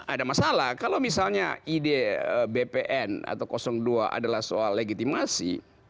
ada masalah kalau misalnya ide bpn atau dua adalah soal legitimasi